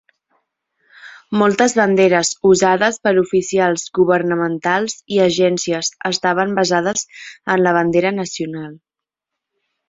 Moltes banderes usades per oficials governamentals i agències estaven basades en la bandera nacional.